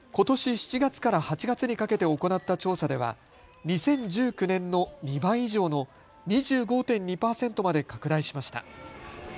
７月から８月にかけて行った調査では２０１９年の２倍以上の２５．２％まで拡大しました。